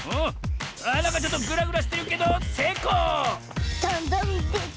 なんかちょっとぐらぐらしてるけどせいこう！